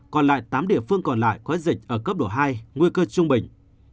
còn lại tám địa phương còn lại có dịch ở cấp độ hai nguy cơ trung bình